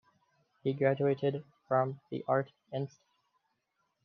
He graduated from the Art Inst.